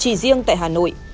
chỉ riêng tại hà nội